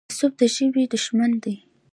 تعصب د ژبې دښمن دی.